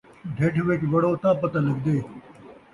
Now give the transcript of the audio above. ڈھڈھ ءِچ وڑو تاں پتہ لڳدے